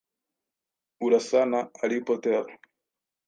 Urasa na Harry Potter.